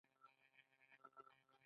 الکول د ځیګر دښمن دی